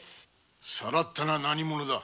さらったのは何者だ？